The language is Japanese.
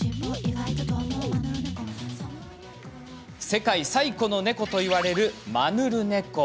世界最古の猫といわれるマヌルネコ。